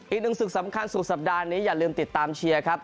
อีกหนึ่งศึกสำคัญสุดสัปดาห์นี้อย่าลืมติดตามเชียร์ครับ